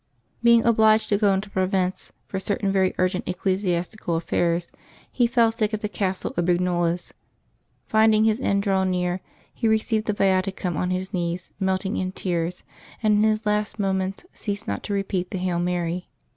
Being obliged to go into Provence for certain very urgent eccle siastical ajfairs, he fell sick at the castle of Brignoles. Finding his end draw near, he received the Viaticum on his knees, melting in tears, and in his last moments ceased not to repeat the Hail Mary.